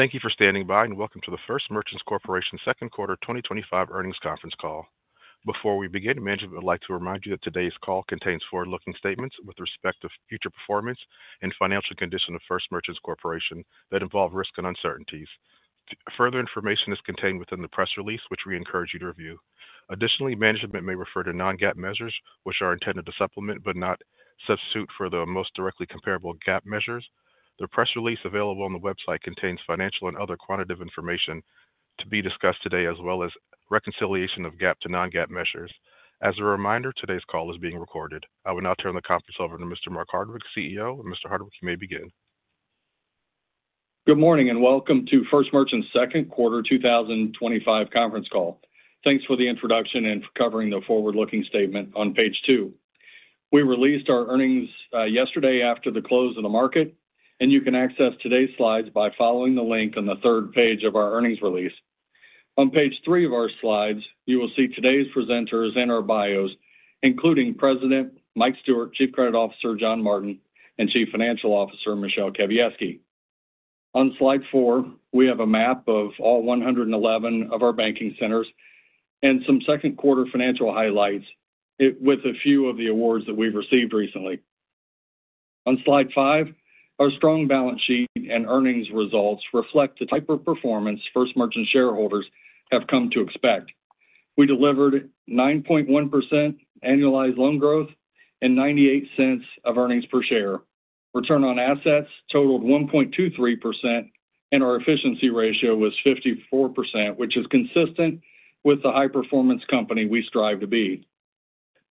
Thank you for standing by, and welcome to the First Merchants Corporation Second Quarter twenty twenty five Earnings Conference Call. Before we begin, management would like to remind you that today's call contains forward looking statements with respect to future performance and financial condition of First Merchants Corporation that involve risks and uncertainties. Further information is contained within the press release, which we encourage you to review. Additionally, management may refer to non GAAP measures, which are intended to supplement, but not substitute for the most directly comparable GAAP measures. The press release available on the website contains financial and other quantitative information to be discussed today as well as reconciliation of GAAP to non GAAP measures. As a reminder, today's call is being recorded. I will now turn the conference over to Mr. Mark Hardwick, CEO. Mr. Hardwick, you may begin. Good morning, and welcome to First Merchants' second quarter twenty twenty five conference call. Thanks for the introduction and for covering the forward looking statement on page two. We released our earnings yesterday after the close of the market, and you can access today's slides by following the link on the third page of our earnings release. On page three of our slides, you will see today's presenters and our bios, including President Mike Stewart, Chief Credit Officer John Martin, and Chief Financial Officer Michelle Kebieski. On slide four, we have a map of all 111 of our banking centers and some second quarter financial highlights with a few of the awards that we've received recently. On slide five, our strong balance sheet and earnings results reflect the type of performance First Merchants shareholders have come to expect. We delivered 9.1% annualized loan growth and $0.98 of earnings per share. Return on assets totaled 1.23% and our efficiency ratio was 54%, which is consistent with the high performance company we strive to be.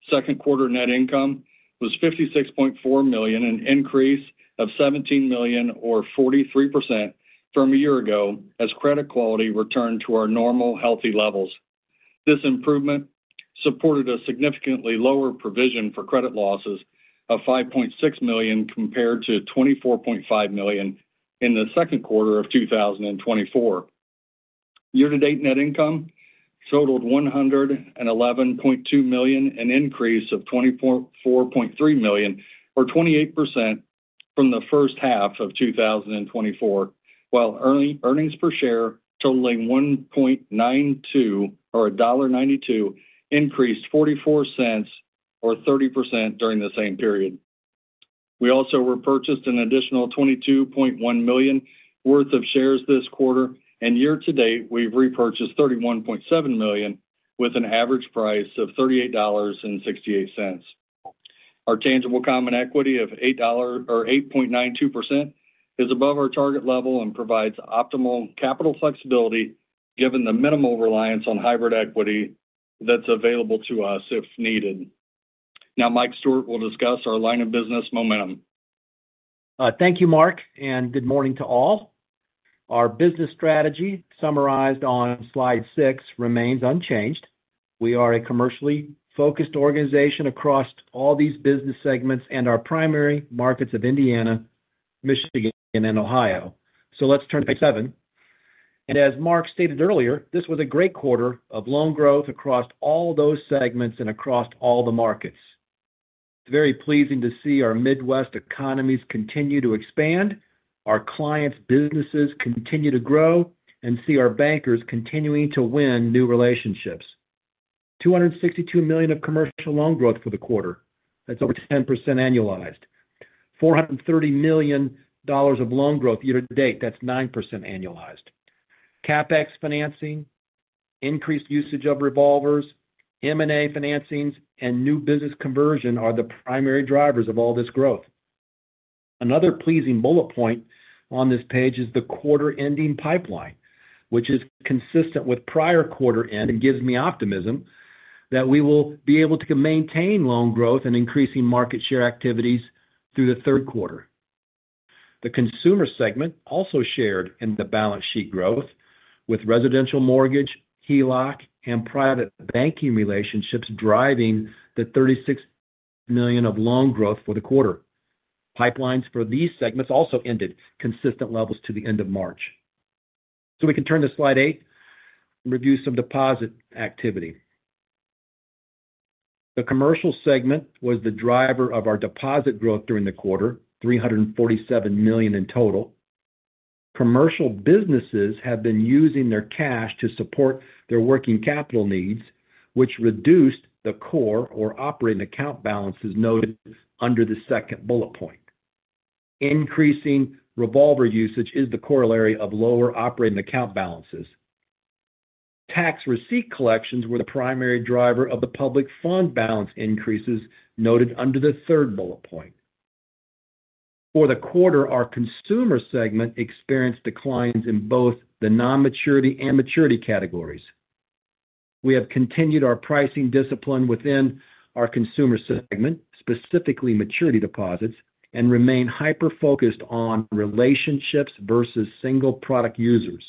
Second quarter net income was $56,400,000 an increase of $17,000,000 or 43 percent from a year ago as credit quality returned to our normal healthy levels. This improvement supported a significantly lower provision for credit losses of $5,600,000 compared to $24,500,000 in the second quarter of twenty twenty four. Year to date net income totaled $111,200,000 an increase of $24,300,000 or 28% from the first half of twenty twenty four, while earnings per share totaling $1.92 or $1.92 increased zero four four dollars or 30% during the same period. We also repurchased an additional 22,100,000.0 worth of shares this quarter and year to date we've repurchased 31,700,000.0 with an average price of $38.68 Our tangible common equity of 8.92% is above our target level and provides optimal capital flexibility given the minimal reliance on hybrid equity that's available to us if needed. Now Mike Stewart will discuss our line of business momentum. Thank you, Mark, and good morning to all. Our business strategy summarized on slide six remains unchanged. We are a commercially focused organization across all these business segments and our primary markets of Indiana, Michigan, and Ohio. So let's turn to page seven. And as Mark stated earlier, this was a great quarter of loan growth across all those segments and across all the markets. It's very pleasing to see our Midwest economies continue to expand, our clients businesses continue to grow, and see our bankers continuing to win new relationships. $262,000,000 of commercial loan growth for the quarter. That's over 10% annualized. $430,000,000 of loan growth year to date, that's 9% annualized. CapEx financing, increased usage of revolvers, M and A financings and new business conversion are the primary drivers of all this growth. Another pleasing bullet point on this page is the quarter ending pipeline, which is consistent with prior quarter end and gives me optimism that we will be able to maintain loan growth and increasing market share activities through the third quarter. The consumer segment also shared in the balance sheet growth with residential mortgage, HELOC and private banking relationships driving the 36,000,000 of loan growth for the quarter. Pipelines for these segments also ended consistent levels to the March. So we can turn to slide eight and review some deposit activity. The commercial segment was the driver of our deposit growth during the quarter, $347,000,000 in total. Commercial businesses have been using their cash to support their working capital needs, which reduced the core or operating account balances noted under the second bullet point. Increasing revolver usage is the corollary of lower operating account balances. Tax receipt collections were the primary driver of the public fund balance increases noted under the third bullet point. For the quarter, our consumer segment experienced declines in both the non maturity and maturity categories. We have continued our pricing discipline within our consumer segment, specifically maturity deposits, and remain hyper focused on relationships versus single product users.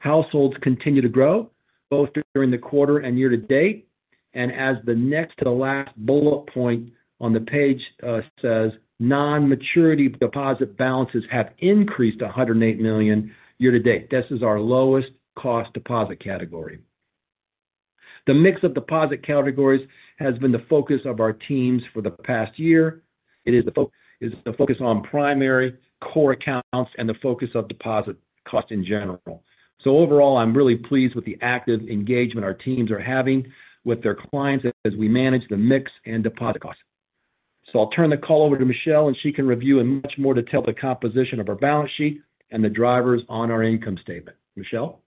Households continue to grow, both during the quarter and year to date. And as the next to the last bullet point on the page says, non maturity deposit balances have increased $108,000,000 year to date. This is our lowest cost deposit category. The mix of deposit categories has been the focus of our teams for the past year. It is the focus on primary core accounts and the focus of deposit cost in general. So overall, I'm really pleased with the active engagement our teams are having with their clients as we manage the mix and deposit costs. So I'll turn the call over to Michelle, and she can review in much more detail the composition of our balance sheet and the drivers on our income statement. Michelle?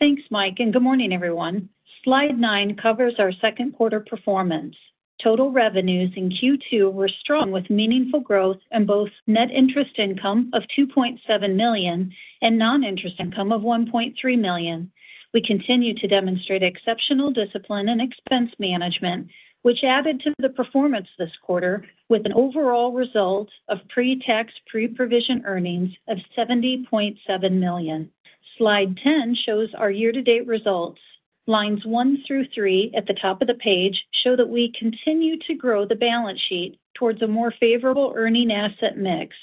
Thanks, Mike, and good morning, everyone. Slide nine covers our second quarter performance. Total revenues in Q2 were strong with meaningful growth in both net interest income of $2,700,000 and non interest income of $1,300,000 We continue to demonstrate exceptional discipline and expense management, which added to the performance this quarter with an overall result of pretax pre provision earnings of $70,700,000 Slide 10 shows our year to date results. Lines one through three at the top of the page show that we continue to grow the balance sheet towards a more favorable earning asset mix,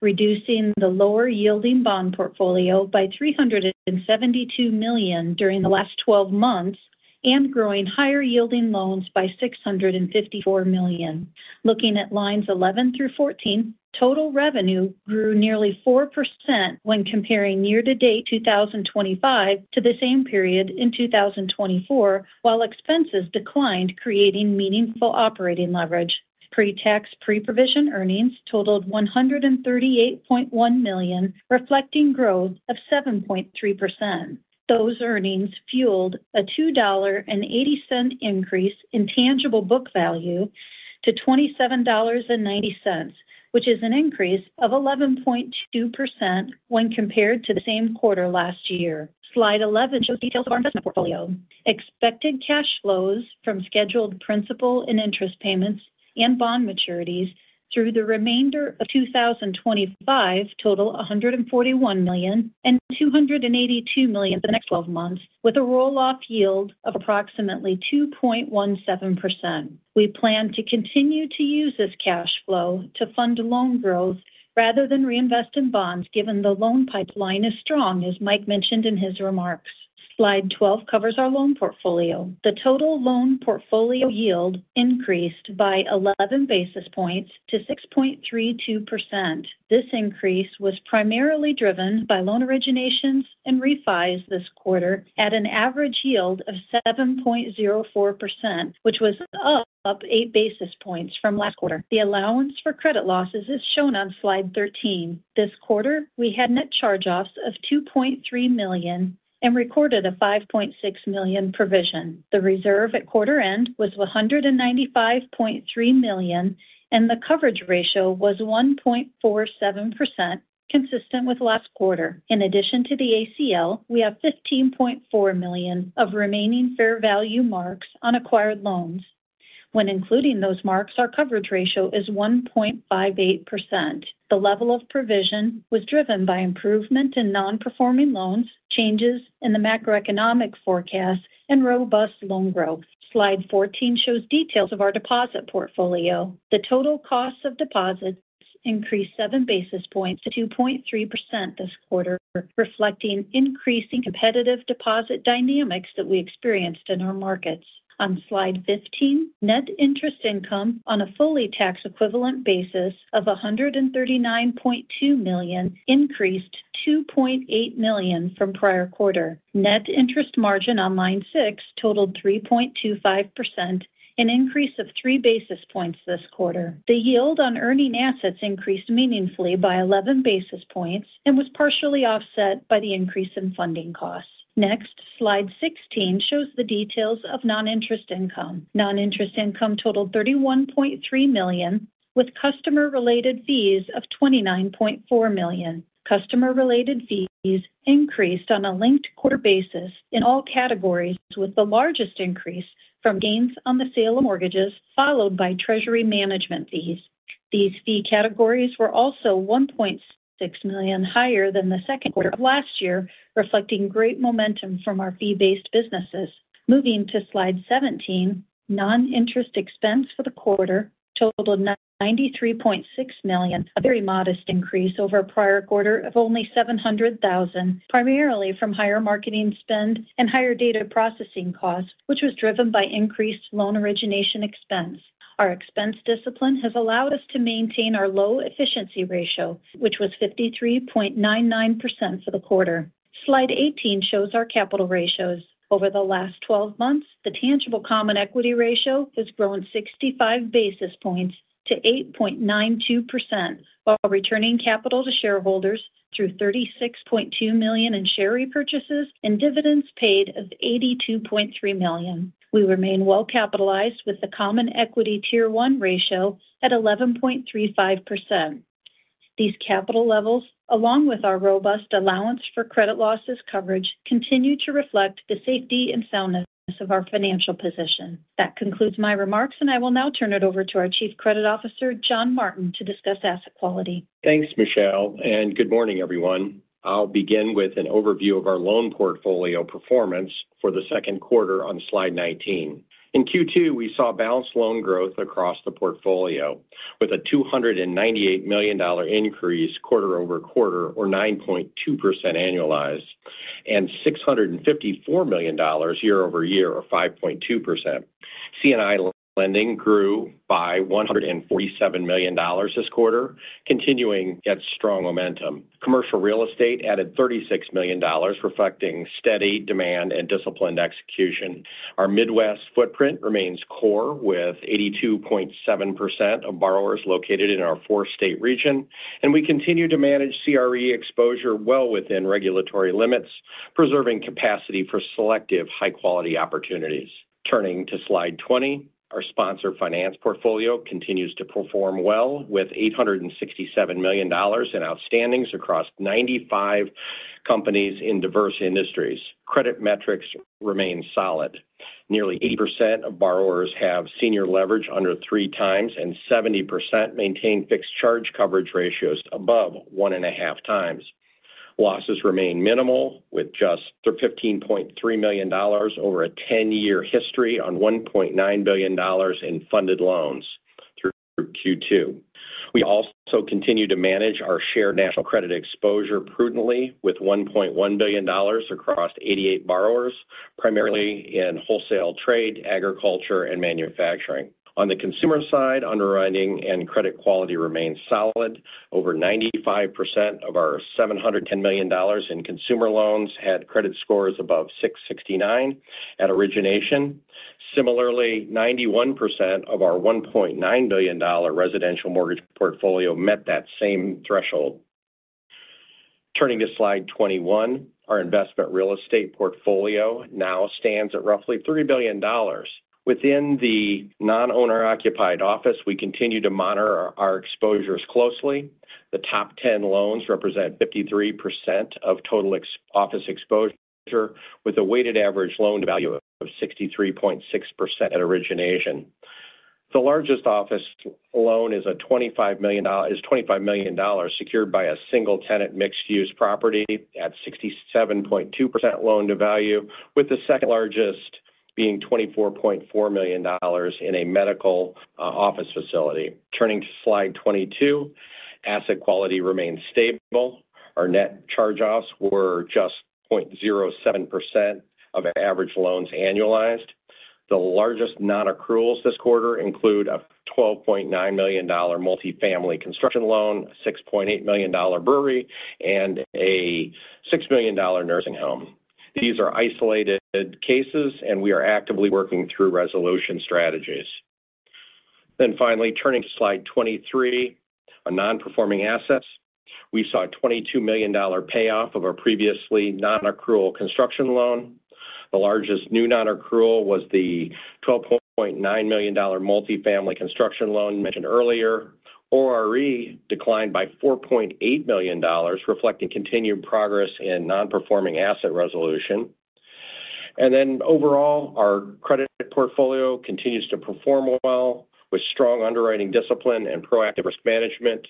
reducing the lower yielding bond portfolio by $372,000,000 during the last twelve months and growing higher yielding loans by $654,000,000. Looking at lines 11 through 14, total revenue grew nearly 4% when comparing year to date 2025 to the same period in 2024, while expenses declined creating meaningful operating leverage. Pretax pre provision earnings totaled $138,100,000 reflecting growth of 7.3%. Those earnings fueled a $2.8 increase in tangible book value to $27.9 which is an increase of 11.2% when compared to the same quarter last year. Slide 11 shows details of our business portfolio. Expected cash flows from scheduled principal and interest payments and bond maturities through the remainder of 2025 total $141,000,000 and $282,000,000 for the next twelve months with a roll off yield of approximately 2.17%. We plan to continue to use this cash flow to fund loan growth rather than reinvest in bonds given the loan pipeline is strong, as Mike mentioned in his remarks. Slide 12 covers our loan portfolio. The total loan portfolio yield increased by 11 basis points to 6.32%. This increase was primarily driven by loan originations and refis this quarter at an average yield of 7.04%, which was up eight basis points from last quarter. The allowance for credit losses is shown on slide 13. This quarter we had net charge offs of 2,300,000.0 and recorded a $5,600,000 provision. The reserve at quarter end was $195,300,000 and the coverage ratio was 1.47 consistent with last quarter. In addition to the ACL, we have $15,400,000 of remaining fair value marks on acquired loans. When including those marks, our coverage ratio is 1.58%. The level of provision was driven by improvement in non performing loans, changes in the macroeconomic forecast, and robust loan growth. Slide 14 shows details of our deposit portfolio. The total cost of deposits increased seven basis points to 2.3% this quarter, reflecting increasing competitive deposit dynamics that we experienced in our markets. On slide 15, net interest income on a fully tax equivalent basis of $139,200,000 increased $2,800,000 from prior quarter. Net interest margin on line six totaled 3.25%, an increase of three basis points this quarter. The yield on earning assets increased meaningfully by 11 basis points and was partially offset by the increase in funding costs. Next, slide 16 shows the details of non interest income. Non interest income totaled $31,300,000 with customer related fees of 29,400,000.0 Customer related fees increased on a linked quarter basis in all categories with the largest increase from gains on the sale of mortgages followed by treasury management fees. These fee categories were also $1,600,000 higher than the second quarter of last year, reflecting great momentum from our fee based businesses. Moving to slide 17, non interest expense for the quarter totaled $93,600,000 a very modest increase over prior quarter of only $700,000 primarily from higher marketing spend and higher data processing costs, which was driven by increased loan origination expense. Our expense discipline has allowed us to maintain our low efficiency ratio, which was 53.99% for the quarter. Slide 18 shows our capital ratios. Over the last twelve months, the tangible common equity ratio has grown 65 basis points to 8.92% while returning capital to shareholders through $36,200,000 in share repurchases and dividends paid of $82,300,000 We remain well capitalized with the common equity tier one ratio at 11.35%. These capital levels, along with our robust allowance for credit losses coverage, continue to reflect the safety and soundness of our financial position. That concludes my remarks and I will now turn it over to our Chief Credit Officer, John Martin to discuss asset quality. Thanks, Michelle, and good morning everyone. I'll begin with an overview of our loan portfolio performance for the second quarter on Slide 19. In Q2, we saw balanced loan growth across the portfolio with a $298,000,000 increase quarter over quarter or 9.2% annualized and $654,000,000 year over year or 5.2%. C and I lending grew by $147,000,000 this quarter, continuing at strong momentum. Commercial real estate added $36,000,000 reflecting steady demand and disciplined execution. Our Midwest footprint remains core with 82.7% of borrowers located in our four state region, and we continue to manage CRE exposure well within regulatory limits, preserving capacity for selective high quality opportunities. Turning to slide 20, our sponsor finance portfolio continues to perform well with $867,000,000 in outstandings across 95 companies in diverse industries. Credit metrics remain solid. Nearly 80% of borrowers have senior leverage under three times and 70% maintain fixed charge coverage ratios above one and a half times. Losses remain minimal with just $15,300,000 over a ten year history on $1,900,000,000 in funded loans through Q2. We also continue to manage our shared national credit exposure prudently with $1,100,000,000 across 88 borrowers, primarily in wholesale trade, agriculture, and manufacturing. On the consumer side, underwriting and credit quality remained solid. Over 95% of our $710,000,000 in consumer loans had credit scores above six sixty nine at origination. Similarly, 91% of our $1,900,000,000 residential mortgage portfolio met that same threshold. Turning to slide '21, our investment real estate portfolio now stands at roughly $3,000,000,000 Within the non owner occupied office, we continue to monitor our exposures closely. The top 10 loans represent 53% of total ex office exposure with a weighted average loan to value of 63.6% at origination. The largest office loan is $25,000,000 secured by a single tenant mixed use property at 67.2% loan to value, with the second largest being $24,400,000 in a medical office facility. Turning to slide 22, asset quality remained stable. Our net charge offs were just point zero seven percent of average loans annualized. The largest non accruals this quarter include a $12,900,000 multi family construction loan, $6,800,000 brewery, and a $6,000,000 nursing home. These are isolated cases and we are actively working through resolution strategies. Then finally turning to slide 23, our non performing assets. We saw a $22,000,000 payoff of our previously non accrual construction loan. The largest new non accrual was the $12,900,000 multifamily construction loan mentioned earlier. ORE declined by $4,800,000 reflecting continued progress in non performing asset resolution. And then overall, our credit portfolio continues to perform well with strong underwriting discipline and proactive risk management.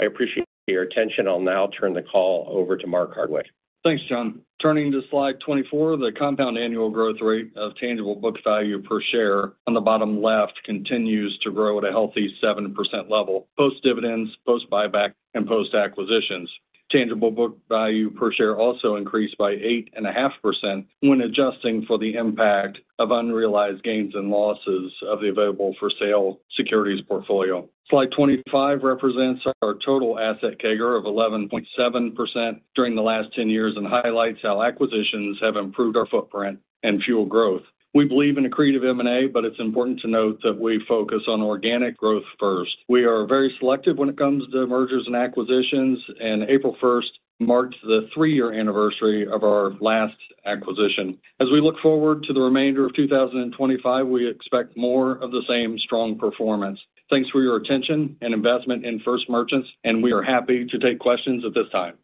I appreciate your attention. I'll now turn the call over to Mark Hardway. Thanks, John. Turning to Slide 24, the compound annual growth rate of tangible book value per share on the bottom left continues to grow at a healthy 7% level, post dividends, post buyback and post acquisitions. Tangible book value per share also increased by 8.5% when adjusting for the impact of unrealized gains and losses of the available for sale securities portfolio. Slide 25 represents our total asset CAGR of 11.7% during the last ten years and highlights how acquisitions have improved our footprint and fuel growth. We believe in accretive M and A, but it's important to note that we focus on organic growth first. We are very selective when it comes to mergers and acquisitions, and April 1 marks the three year anniversary of our last acquisition. As we look forward to the remainder of 2025, we expect more of the same strong performance. Thanks for your attention and investment in First Merchants and we are happy to take questions at this time.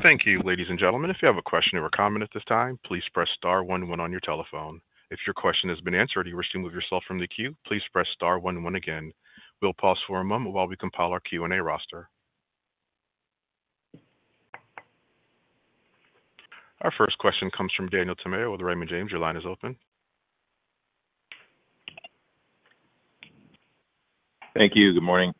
Thank you. Our first question comes from Daniel Tamayo with Raymond James. Your line is open. Thank you. Good morning.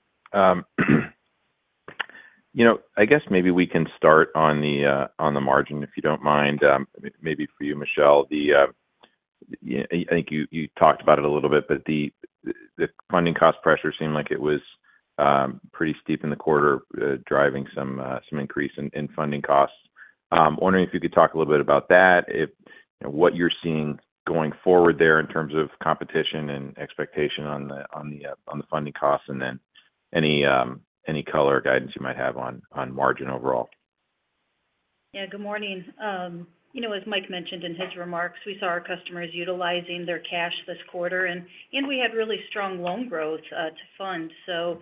I guess maybe we can start on the margin, if you don't mind. Maybe for you, Michelle, I think you talked about it a little bit, but the funding cost pressure seemed like it was pretty steep in the quarter, driving some increase in funding costs. Wondering if you could talk a little bit about that, what you're seeing going forward there in terms of competition and expectation on the funding costs? And then any color or guidance you might have on margin overall? Yes, good morning. As Mike mentioned in his remarks, we saw our customers utilizing their cash this quarter, and we had really strong loan growth to fund. So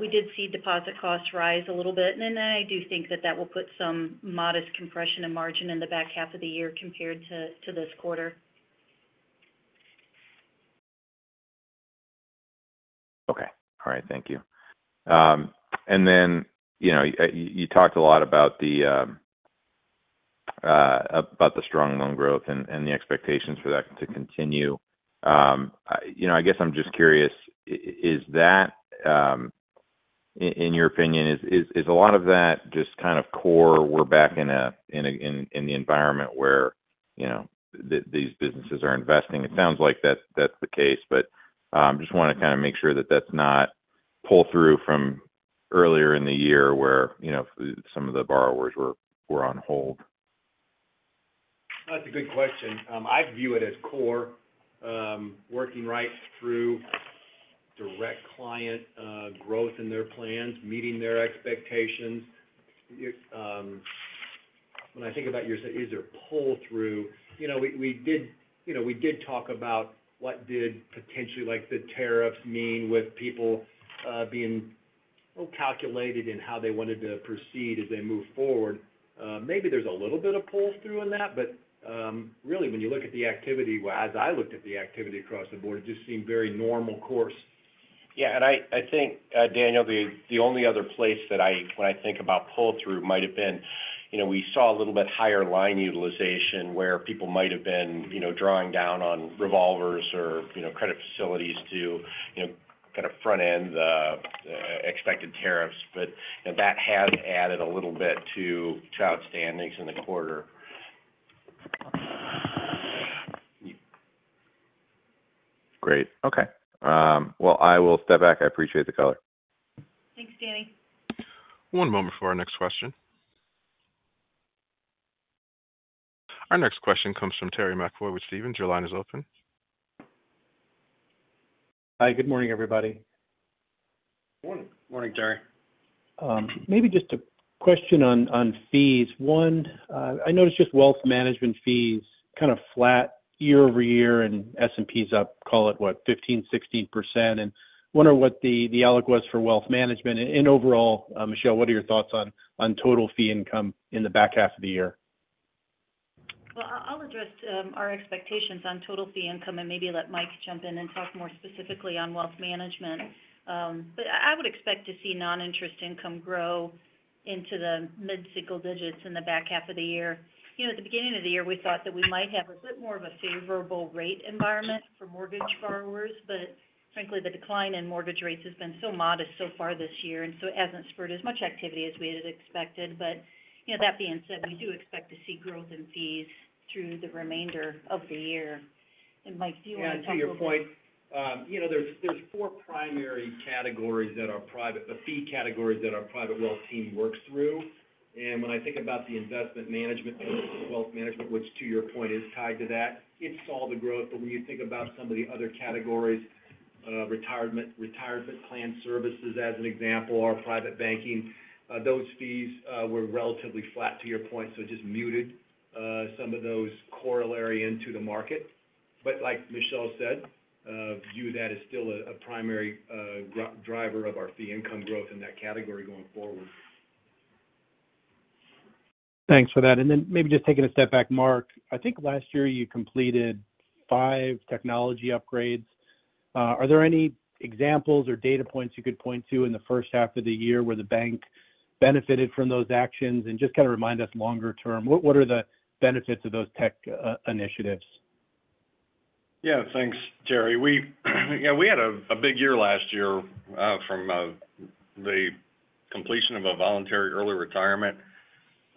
we did see deposit costs rise a little bit, I do think that that will put some modest compression in margin in the back half of the year compared to this quarter. Okay. All right. Thank you. And then you talked a lot about the strong loan growth and the expectations for that to continue. I guess I'm just curious, is that in your opinion, is a lot of that just kind of core we're back in the environment where these businesses are investing. It sounds like that's the case, but just want to kind of make sure that that's not pull through from earlier in the year where some of the borrowers on hold? That's a good question. I view it as core, working right through direct client growth in their plans, meeting their expectations. When I think about your say, is there a pull through? We did talk about what did potentially like the tariffs mean with people being calculated in how they wanted to proceed as they move forward. Maybe there's a little bit of pull through in that, but really when you look at the activity, as I looked at the activity across the board, it just seemed very normal course. Yeah, and I think, Daniel, the only other place when I think about pull through might have we saw a little bit higher line utilization where people might have been drawing down on revolvers or credit facilities to kind of front end the expected tariffs, but that has added a little bit to child standings in the quarter. Great. Okay. Well, I will step back. I appreciate the color. Thanks, Danny. One moment for our next question. Our next question comes from Terry McEvoy with Stephens. Your line is open. Hi. Good morning, everybody. Good morning. Good morning, Terry. Maybe just a question on fees. One, I noticed just wealth management fees kind of flat year over year and S and P is up, call it, what, 15%, 16%. And wonder what the outlook was for wealth management. And overall, Michelle, what are your thoughts on total fee income in the back half of the year? Well, I'll address our expectations on total fee income and maybe let Mike jump in and talk more specifically on wealth management. But I would expect to see noninterest income grow into the mid single digits in the back half of the year. You know, at the beginning of the year, we thought that we might have a bit more of a favorable rate environment for mortgage borrowers, but frankly, the decline in mortgage rates has been so modest so far this year, and so it hasn't spurred as much activity as we had expected. But, you know, that being said, we do expect to see growth in fees through the remainder of the year. And Mike, do you wanna talk about point, you know, there's there's four primary categories that are private the fee categories that our private wealth team works through. And when I think about the investment management and wealth management, which to your point is tied to that, it's all the growth. But when you think about some of the other categories, retirement retirement plan services as an example or private banking, those fees, were relatively flat to your point. So it just muted, some of those corollary into the market. But like Michelle said, view that as still a primary driver of our fee income growth in that category going forward. Thanks for that. And then maybe just taking a step back, Mark, I think last year you completed five technology upgrades. Are there any examples or data points you could point to in the first half of the year where the Bank benefited from those actions? Just kind of remind us longer term, what are the benefits of those tech initiatives? Yeah, thanks, Jerry. We had a big year last year from the completion of a voluntary early retirement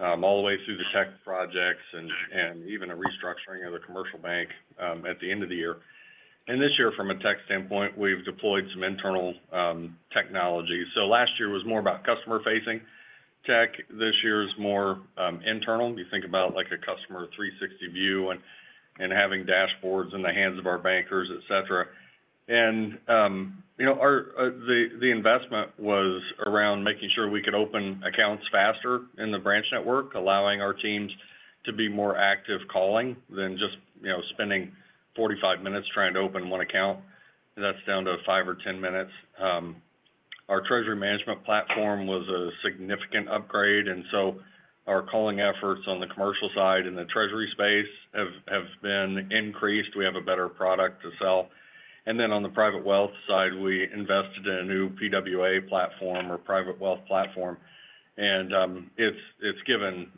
all the way through the tech projects and even a restructuring of the commercial bank at the end of the year. And this year from a tech standpoint, we've deployed some internal technology. So last year was more about customer facing tech, this year is more internal. You think about like a customer three sixty view and having dashboards in the hands of our bankers, etcetera. And the investment was around making sure we could open accounts faster in the branch network, our teams to be more active calling than just spending forty five minutes trying to open one account. And that's down to five or ten minutes. Our treasury management platform was a significant upgrade. And so our calling efforts on the commercial side and the treasury space have been increased. We have a better product to sell. And then on the private wealth side, we invested in a new PWA platform or private wealth platform. And it's given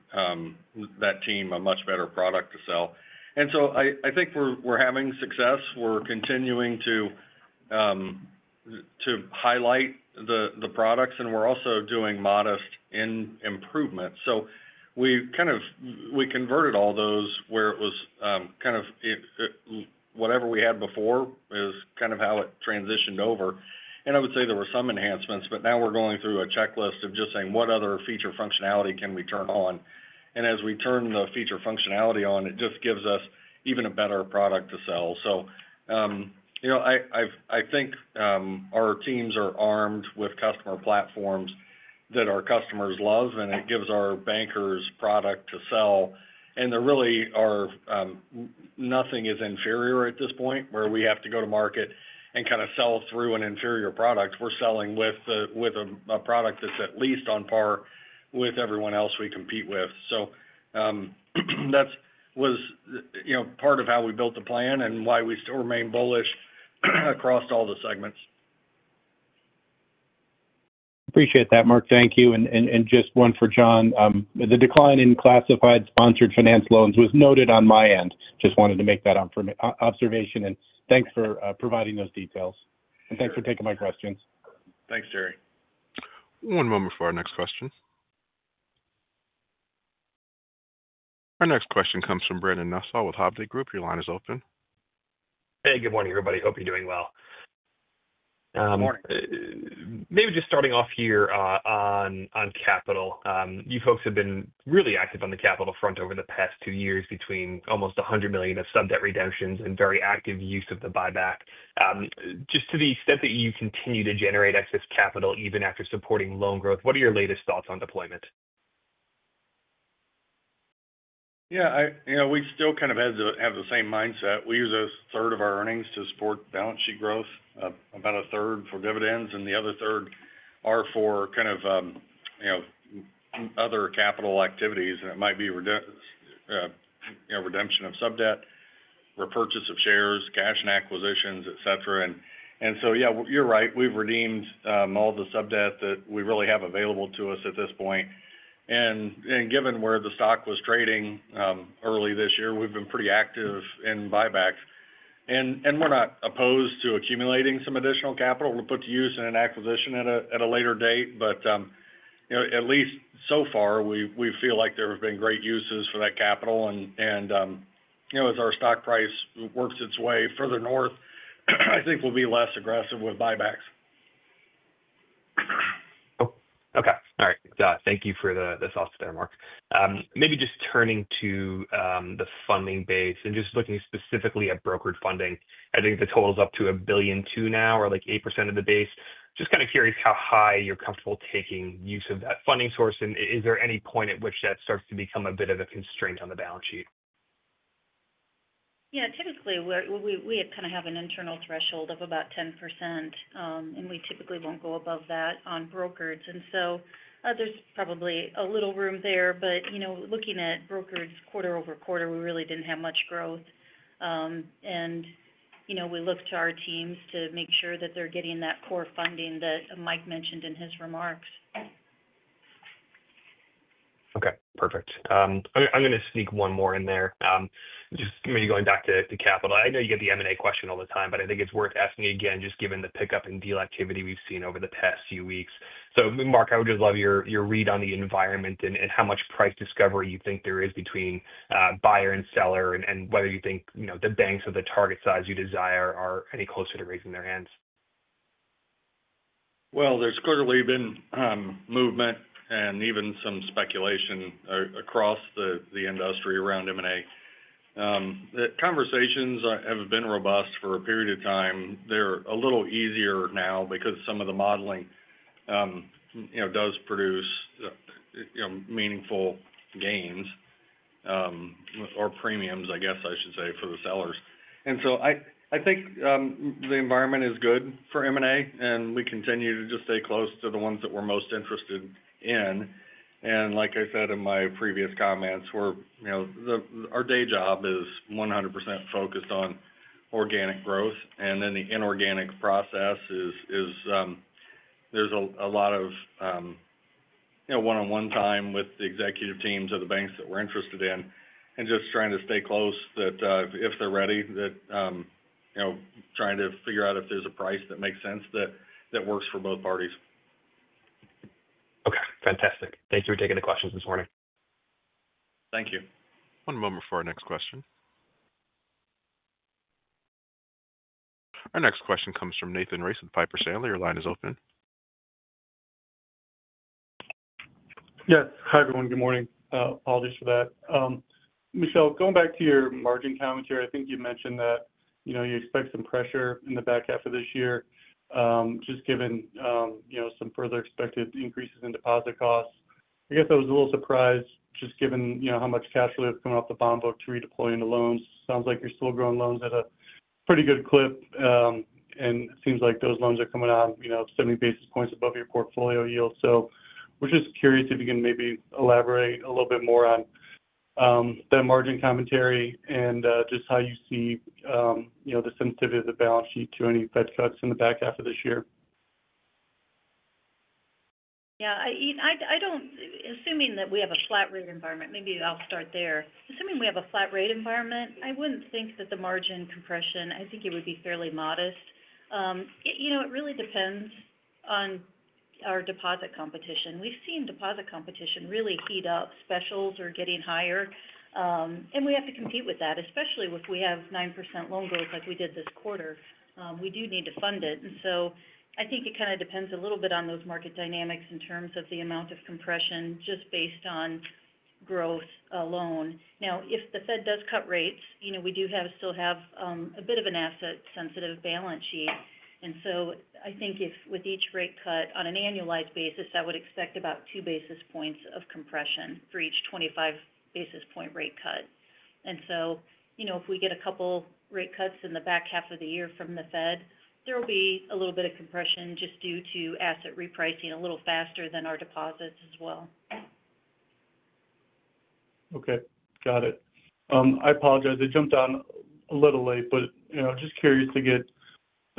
that team a much better product to sell. And so I think we're having success. We're continuing to highlight the products and we're also doing modest improvement. So we converted all those where it was kind of whatever we had before is kind of how it transitioned over. And I would say there were some enhancements, but now we're going through a checklist of just saying what other feature functionality can we turn on. And as we turn the feature functionality on, it just gives us even a better product to sell. Think our teams are armed with customer platforms that our customers love and it gives our bankers product to sell. And there really are nothing is inferior at this point where we have to go to market and kind of sell through an inferior product. We're selling with a product that's at least on par with everyone else we compete with. So, that was part of how we built the plan and why we still remain bullish across all the segments. Appreciate that, Mark. Thank you. And just one for John. The decline in classified sponsored finance loans was noted on my end. Just wanted to make that observation, and thanks for providing those details. And thanks for taking my questions. Thanks, Jerry. One moment for our next question. Our next question comes from Brandon Nussol with Hovde Group. Your line is open. Hey, good morning everybody. Hope you're doing well. Good morning. Maybe just starting off here on capital. You folks have been really active on the capital front over the past two years between almost 100,000,000 of sub debt redemptions and very active use of the buy back. Just to the extent that you continue to generate excess capital even after supporting loan growth, what are your latest thoughts on deployment? Yes. We still kind of have the same mindset. We use a third of our earnings to support balance sheet growth, about a third for dividends and the other third are for kind of other capital activities and it might be redemption of sub debt, repurchase of shares, cash and acquisitions, etcetera. So, yes, you're right. We've redeemed all the sub debt that we really have available to us at this point. And given where the stock was trading early this year, we've been pretty active in buybacks and we're not opposed to accumulating some additional capital. We'll put to use in an acquisition at a later date, but at least so far we feel like there have been great uses for that capital. As our stock price works its way further north, I think we'll be less aggressive with buybacks. Okay. All right. Thank you for the thoughts there, Mark. Maybe just turning to the funding base and just looking specifically at brokered funding. I think the total is up to $1,000,000,000 now or like 8% of the base. Just kind of curious how high you're comfortable taking use of that funding source? Is there any point at which that starts to become a bit of constraint on the balance sheet? Yeah. Typically, we we kinda have an internal threshold of about 10%, and we typically won't go above that on brokerage. And so, there's probably a little room there, but, you know, looking at brokerage quarter over quarter, we really didn't have much growth. And, you know, we look to our teams to make sure that they're getting that core funding that Mike mentioned in his remarks. Okay, perfect. I'm going to sneak one more in there. Just maybe going back to capital. I know you get the M and A question all the time, but I think it's worth asking again, just given the pickup in deal activity we've seen over the past few weeks. So Mark, I would just love your read on the environment and how much price discovery you think there is between buyer and seller and whether you think the banks of the target size you desire are any closer to raising their hands? Well, there's clearly been movement and even some speculation across the industry around M and A. The conversations have been robust for a period of time. They're a little easier now because some of the modeling does produce meaningful gains or premiums, I guess I should say for the sellers. And so I think the environment is good for M and A and we continue to just stay close to the ones that we're most interested in. And like I said in my previous comments, day job is 100% focused on organic growth and then the inorganic process is there's a lot of one on one time with the executive teams of the banks that we're interested in and just trying to stay close that if they're ready that know, trying to figure out if there's a price that makes sense that that works for both parties. Okay. Fantastic. Thanks for taking the questions this morning. Thank you. One moment for our next question. Our next question comes from Nathan Race with Piper Sandler. Your line is open. Hi, everyone. Good morning. Apologies for that. Michelle, going back to your margin commentary, think you mentioned that you expect some pressure in the back half of this year just given some further expected increases in deposit costs. I guess I was a little surprised just given how much cash flow is coming off the bond book to redeploy into loans. Sounds like you're still growing loans at a pretty good clip, and it seems like those loans are coming on 70 basis points above your portfolio yield. So we're just curious if you can maybe elaborate a little bit more on that margin commentary and just how you see the sensitivity of the balance sheet to any Fed cuts in the back half of this year. Yeah. I don't assuming that we have a flat rate environment, maybe I'll start there. Assuming we have a flat rate environment, I wouldn't think that the margin compression, I think it would be fairly modest. You know, it really depends on our deposit competition. We've seen deposit competition really heat up. Specials are getting higher, and we have to compete with that, especially if we have 9% loan growth like we did this quarter. We do need to fund it. And so I think it kind of depends a little bit on those market dynamics in terms of the amount of compression just based on growth alone. Now, if the Fed does cut rates, you know, we do have still have a bit of an asset sensitive balance sheet. And so I think if with each rate cut on an annualized basis, would expect about two basis points of compression for each 25 basis point rate cut. And so, you know, if we get a couple rate cuts in the back half of the year from the Fed, there will be a little bit of compression just due to asset repricing a little faster than our deposits as well. Okay. Got it. I apologize. I jumped on a little late, just curious to get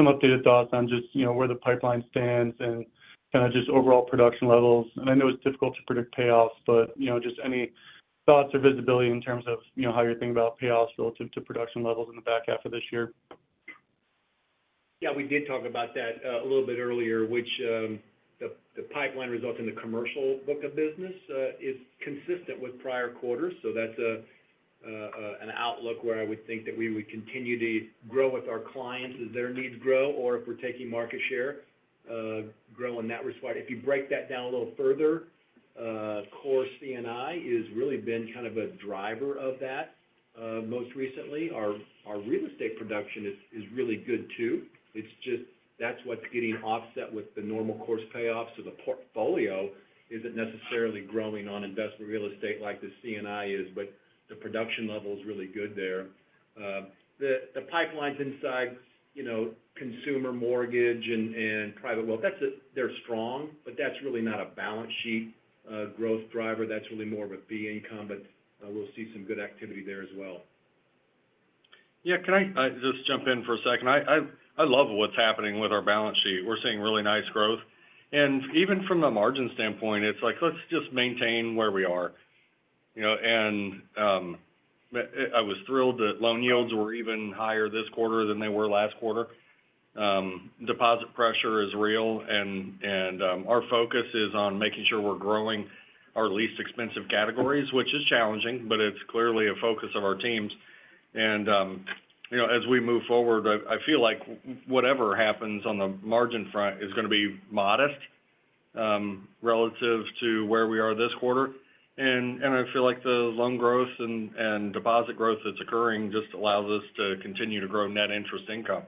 some updated thoughts on just where the pipeline stands and kind of just overall production levels. And I know it's difficult to predict payoffs, but just any thoughts or visibility in terms of how you're thinking about payoffs relative to production levels in the back half of this year? Yeah, we did talk about that a little bit earlier, which the pipeline results in the commercial book of business is consistent with prior quarters. So that's an outlook where I would think that we would continue to grow with our clients as their needs grow or if we're taking market share, in that respect. If you break that down a little further, core C and I has really been kind of a driver of that. Most recently. Real estate production is really good too. It's just that's what's getting offset with the normal course payoffs of the portfolio isn't necessarily growing on investment real estate like the C and I is, but the production level is really good there. The pipelines inside, you know, consumer mortgage and private wealth, that's a they're strong, but that's really not a balance sheet growth driver. That's really more of a fee income, but we'll see some good activity there as well. Yeah, can I just jump in for a second? I love what's happening with our balance sheet. We're seeing really nice growth. And even from a margin standpoint, it's like, let's just maintain where we are. And I was thrilled that loan yields were even higher this quarter than they were last quarter. Deposit pressure is real and our focus is on making sure we're growing our least expensive categories, which is challenging, but it's clearly a focus of our teams. And as we move forward, I feel like whatever happens on the margin front is going to be modest relative to where we are this quarter. I feel like the loan growth and deposit growth that's occurring just allows us to continue to grow net interest income.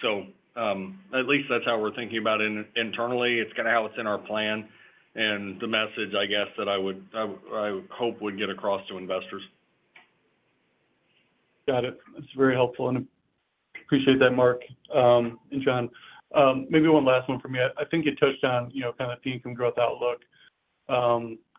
So at least that's how we're thinking about it internally. It's kind of how it's in our plan. And the message, I guess, that I would hope would get across to investors. Got it. That's very helpful. And I appreciate that, Mark and John. Maybe one last one for me. I think you touched on kind of the income growth outlook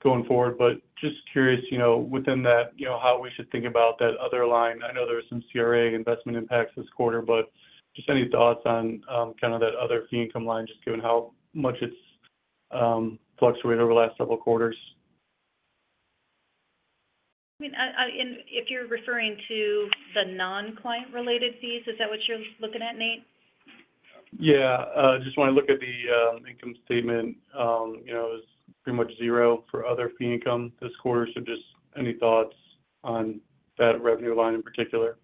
going forward, but just curious within that how we should think about that other line. I know there's some CRA investment impacts this quarter, but just any thoughts on kind of that other fee income line just given how much it's fluctuated over the last several quarters? If you're referring to the non client related fees, is that what you're looking at, Nate? Yeah, I just want to look at the income statement. It was pretty much zero for other fee income this quarter, so just any thoughts on that revenue line in particular?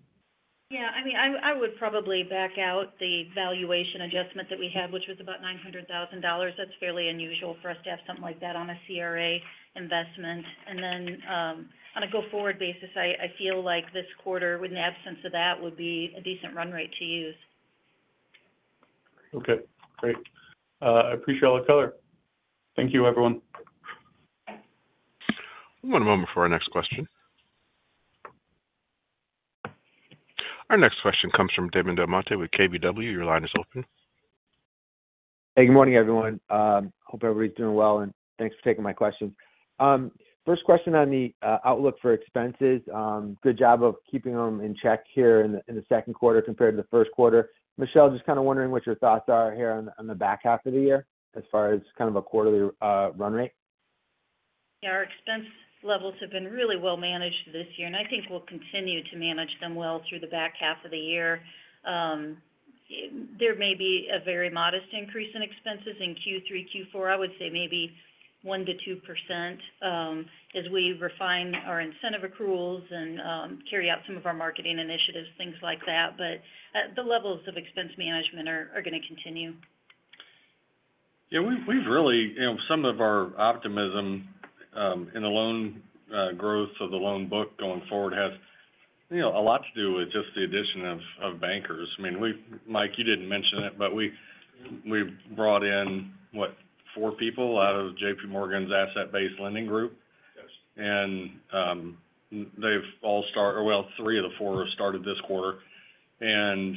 Yeah, I mean, would probably back out the valuation adjustment we had, which was about $900,000 That's fairly unusual for us to have something like that on a CRA investment. And then, a go forward basis, I feel like this quarter, with an absence of that, would be a decent run rate to use. Okay, great. I appreciate all the color. Thank you, everyone. One moment for our next question. Our next question comes from Damon DelMonte with KBW. Your line is open. Hey, good morning, everyone. Hope everybody's doing well, and thanks for taking my question. First question on the outlook for expenses. Good job of keeping them in check here in second quarter compared to the first quarter. Michelle, just kind of wondering what your thoughts are here on the back half of the year as far as kind of a quarterly run rate. Yeah, our expense levels have been really well managed this year, and I think we'll continue to manage them well through the back half of the year. There may be a very modest increase in expenses in Q3, Q4, I would say maybe 1% to 2%, as we refine our incentive accruals and, carry out some of our marketing initiatives, things like that. But the levels of expense management are going to continue. Yeah, we've really some of our optimism in the loan growth of the loan book going forward has you know, a lot to do with just the addition of of bankers. I mean, we Mike, you didn't mention it, but we we brought in what, four people out of JPMorgan's asset based lending group. Yes. And they've all started well, three of the four started this quarter. And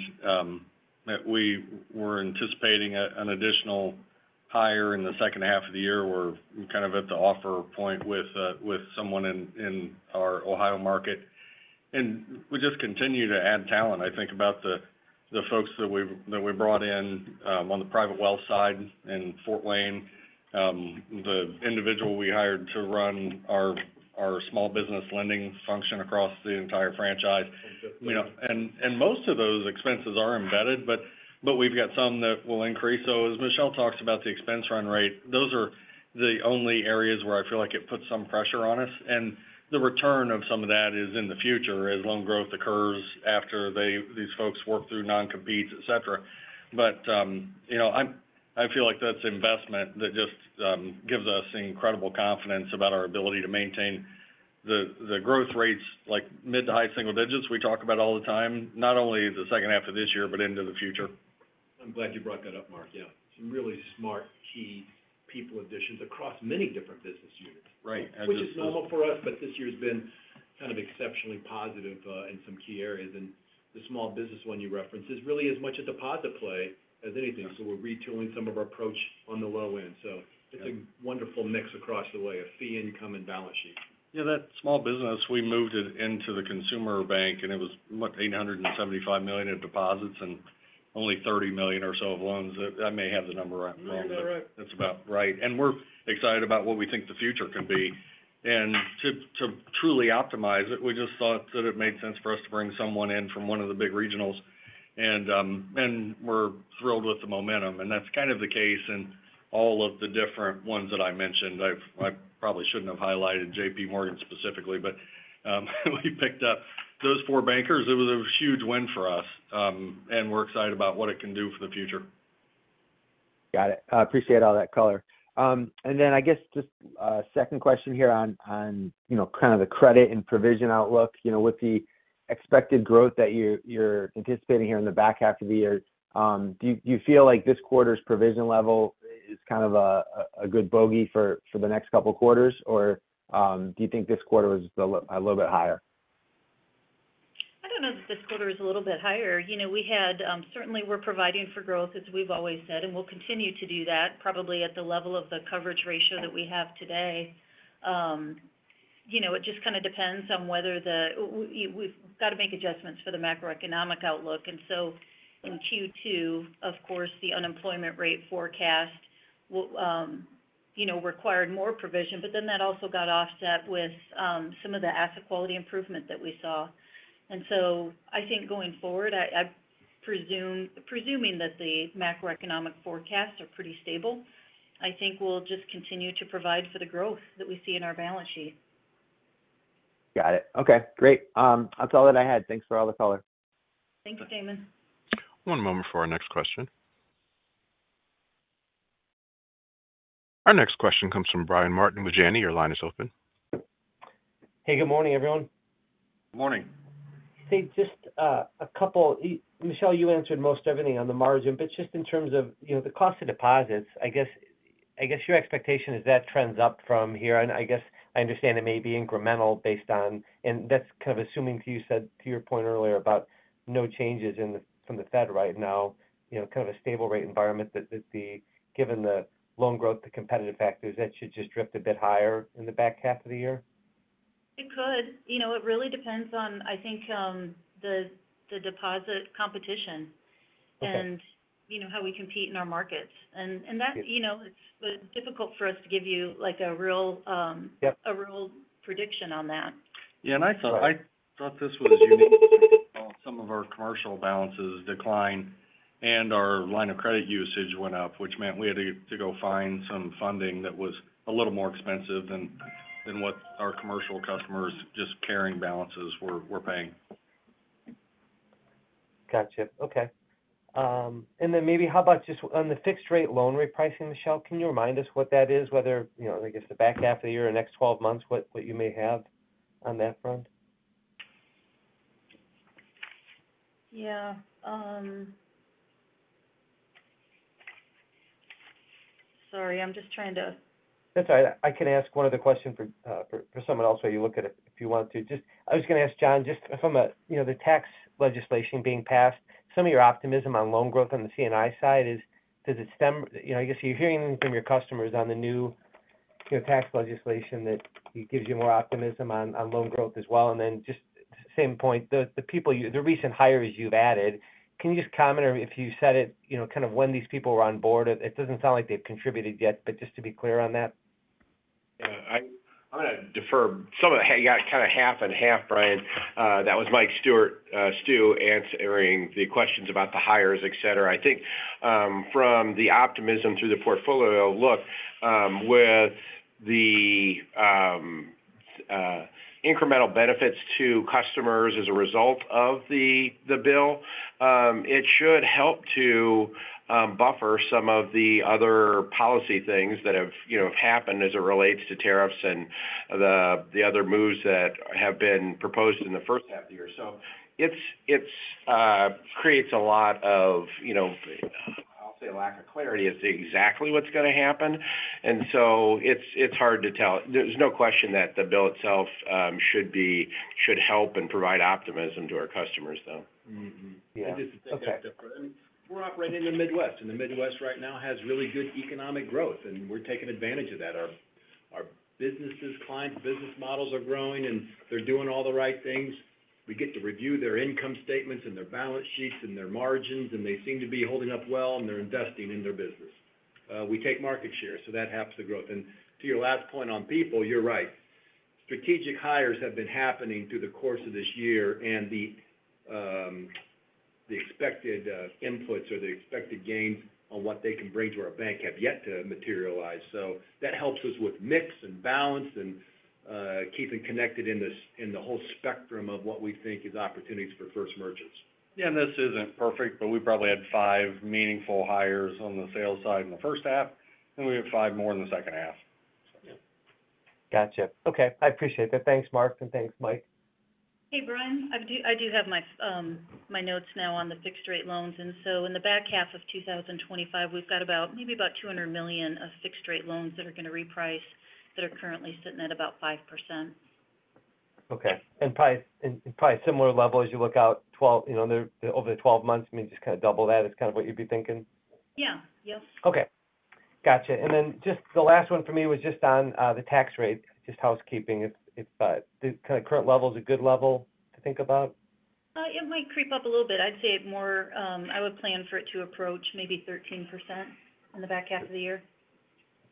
we were anticipating an additional hire in the second half of the year. We're kind of at the offer point with someone in our Ohio market. And we just continue to add talent. Think about the folks that we brought in on the private wealth side in Fort Wayne, the individual we hired to run our small business lending function across the entire franchise. And most of those expenses are embedded, but we've got some that will increase. As Michelle talks about the expense run rate, those are the only areas where I feel like it puts some pressure on us. The return of some of that is in the future as loan growth occurs after these folks work through non competes, etcetera. But I feel like that's investment that just gives us incredible confidence about our ability to maintain the growth rates like mid to high single digits we talk about all the time, not only the second half of this year, but into the future. I'm glad you brought that up, Mark. Some really smart key people additions across many different business units. Right. Which is normal for us, but this year's been kind of exceptionally positive in some key areas, and the small business one you referenced is really as much a deposit play as anything, so we're retooling some of our approach on the low end. It's a wonderful mix across the way of fee income and balance sheet. Yeah, that small business, we moved it into the consumer bank, and it was, what, dollars $875,000,000 of deposits and only $30,000,000 or so of loans. I may have the number wrong. That's right. That's about right. And we're excited about what we think the future can be and to truly optimize it. We just thought that it made sense for us to bring someone in from one of the big regionals. We're thrilled with the momentum and that's kind of the case in all of the different ones that I mentioned. Probably shouldn't have highlighted JPMorgan specifically, but we picked up those four bankers. It was a huge win for us, and we're excited about what it can do for the future. Got it. I appreciate all that color. And then I guess just a second question here on kind of the credit and provision outlook. With the expected growth that you're anticipating here in the back half of the year, do you feel like this quarter's provision level is kind of a good bogey for the next couple of quarters? Or do you think this quarter was a little bit higher? I don't know if this quarter is a little bit higher. You know, we had, certainly we're providing for growth as we've always said, and we'll continue to do that probably at the level of the coverage ratio that we have today. You know, it just kinda depends on whether the we've gotta make adjustments for the macroeconomic outlook. And so in q two, of course, the unemployment rate forecast, know, required more provision, but then that also got offset with, some of the asset quality improvement that we saw. And so I think going forward, I presume presuming that the macroeconomic forecasts are pretty stable, I think we'll just continue to provide for the growth that we see in our balance sheet. Got it. Okay, great. That's all that I had. Thanks for all the color. Thanks, Damon. One moment for our next question. Our next question comes from Brian Martin with Janney. Your line is open. Hey, good morning, everyone. Good morning. Hey, just a couple. Michelle, you answered most everything on the margin, but just in terms of the cost of deposits, I guess your expectation is that trends up from here. And I guess I understand it may be incremental based on, and that's kind of assuming, as you said, to your point earlier about no changes from the Fed right now, kind of a stable rate environment, given the loan growth, the competitive factors, that should just drift a bit higher in the back half of the year? It could. You know, it really depends on, I think, the the deposit competition and, you know, how we compete in our markets. And that, you know, it's difficult for us to give you, like, a real Yep. A real prediction on that. Yeah, and I thought this was unique, of our commercial balances declined and our line of credit usage went up, which meant we had to go find some funding that was a little more expensive than than what our commercial customers just carrying balances were were paying. Gotcha. Okay. And then maybe how about just on the fixed rate loan repricing, Michelle, can you remind us what that is, whether, you know, I guess, the back half of the year or next twelve months, what what you may have on that front? Yeah. Sorry. I'm just trying to That's alright. I can ask one other question for for for someone else while you look at it if you want to. Just I was gonna ask John just from the, you know, the tax legislation being passed, some of your optimism on loan growth on the C and I side is does it stem, know, I guess you're hearing from your customers on the new tax legislation that it gives you more optimism on loan growth as well. And then just same point, the people you, the recent hires you've added, can you just comment if you said it kind of when these people were on board? It doesn't sound like they've contributed yet, but just to be clear on that. I'm gonna defer some of the kind of half and half, Brian. That was Mike Stu answering the questions about the hires, etcetera. I think from the optimism through the portfolio, with the incremental benefits to customers as a result of the bill, it should help to buffer some of the other policy things that have happened as it relates to tariffs and the other moves that have been proposed in the first half of the year. It creates a lot of, I'll say, lack of clarity as to exactly what's going to happen, And so it's it's hard to tell. There's no question that the bill itself, should be should help and provide optimism to our customers, though. Mhmm. Yeah. We're operating in the Midwest, and the Midwest right now has really good economic growth, and we're taking advantage of that. Our our businesses, client business models are growing, and they're doing all the right things. We get to review their income statements and their balance sheets and their margins, and they seem to be holding up well, and they're investing in their business. We take market share, so that helps the growth. And to your last point on people, you're right. Strategic hires have been happening through the course of this year, and the expected inputs or the expected gains on what they can bring to our bank have yet to materialize. So, that helps us with mix and balance and keeping connected in the whole spectrum of what we think is opportunities for first merchants. Yeah, and this isn't perfect, but we probably meaningful hires on the sales side in the first half, and we have five more in the second half. Gotcha. Okay. I appreciate that. Thanks, Mark. And thanks, Mike. Hey, Brian. I do have my notes now on the rate loans. And so in the back half of twenty twenty five, we've got about maybe about 200,000,000 of fixed rate loans that are gonna reprice that are currently sitting at about 5%. Okay. And similar level as you look out 12 over the twelve months, maybe just double that is kind of what you'd be thinking? Yeah. Yep. Okay. Gotcha. And then just the last one for me was just on the tax rate, just housekeeping. If the current level is a good level to think about? It might creep up a little bit. I'd say it more, I would plan for it to approach maybe 13% in the back half of the year.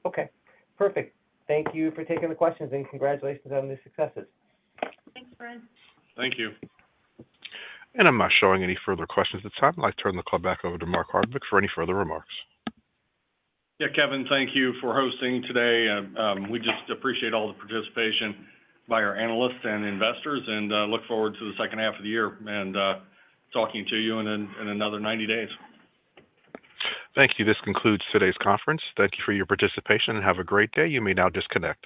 Okay, perfect. Thank you for taking the questions, and congratulations on the successes. Thanks, Fred. Thank you. And I'm not showing any further questions at this time. I'd like to turn the call back over to Mark Hartwick for any further remarks. Yeah. Kevin, thank you for hosting today. We just appreciate all the participation by our analysts and investors and look forward to the second half of the year and talking to you in another ninety days. Thank you. This concludes today's conference. Thank you for your participation and have a great day. You may now disconnect.